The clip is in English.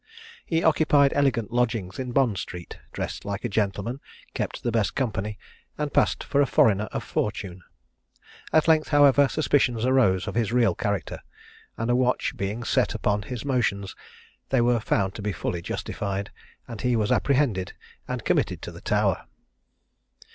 He occupied elegant lodgings in Bond street, dressed like a gentleman, kept the best company, and passed for a foreigner of fortune. At length, however, suspicions arose of his real character, and a watch being set upon his motions, they were found to be fully justified, and he was apprehended and committed to the Tower.